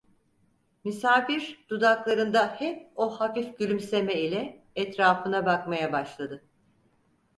Misafir dudaklarında hep o hafif gülümseme ile etrafına bakmaya başladı: